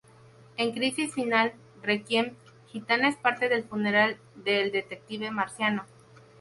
En Crisis Final: Requiem, Gitana es parte del funeral de el Detective Marciano.